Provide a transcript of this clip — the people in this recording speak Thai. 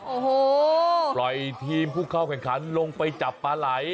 โอ้โหปล่อยทีมผู้เข้าแข่งขันลงไปจับปลาไหล